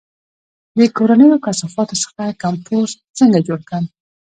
د کورنیو کثافاتو څخه کمپوسټ څنګه جوړ کړم؟